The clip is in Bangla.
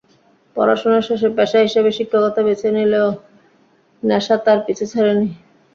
পড়াশোনা শেষে পেশা হিসেবে শিক্ষকতা বেছে নিলেও নেশা তাঁর পিছু ছাড়েনি।